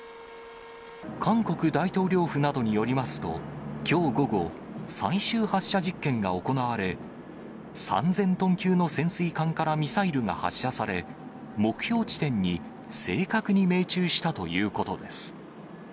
韓国大統領府などによりますと、きょう午後、最終発射実験が行われ、３０００トン級の潜水艦からミサイルが発射され、目標地点に正確に命中したということです。